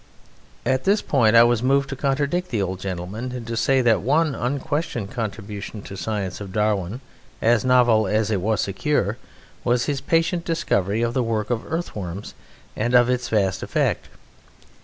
At this point I was moved to contradict the old gentleman, and to say that one unquestioned contribution to science of Darwin, as novel as it was secure, was his patient discovery of the work of earthworms, and of its vast effect.